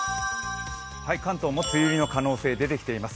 関東も梅雨入りの可能性出てきています。